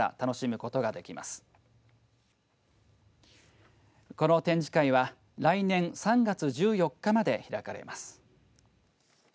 この展示会は来年３月１４日まで開かれます。